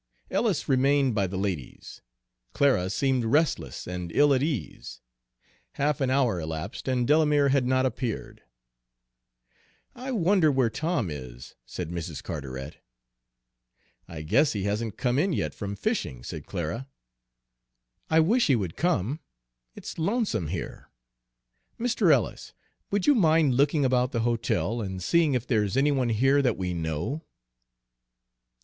Ellis remained by the ladies. Clara seemed restless and ill at ease. Half an hour elapsed and Delamere had not appeared. "I wonder where Tom is," said Mrs. Carteret. "I guess he hasn't come in yet from fishing," said Clara. "I wish he would come. It's lonesome here. Mr. Ellis, would you mind looking about the hotel and seeing if there's any one here that we know?"